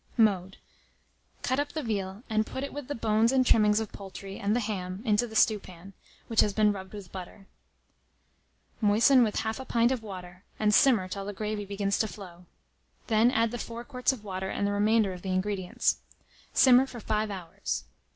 Mode. Cut up the veal, and put it with the bones and trimmings of poultry, and the ham, into the stewpan, which has been rubbed with the butter. Moisten with 1/2 a pint of water, and simmer till the gravy begins to flow. Then add the 4 quarts of water and the remainder of the ingredients; simmer for 5 hours.